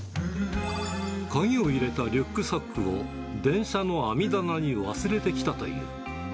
鍵を入れたリュックサックを電車の網棚に忘れてきたという。